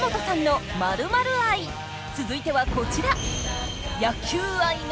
続いてはこちら！